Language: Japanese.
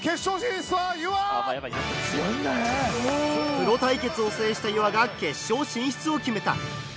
プロ対決を制したゆわが決勝進出を決めた。